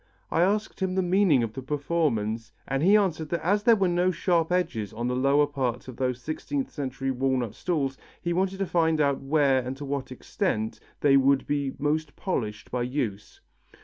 I asked him the meaning of the performance and he answered that as there were no sharp edges on the lower part of those sixteenth century walnut stools, he wanted to find out where and to what extent they would be most polished by use.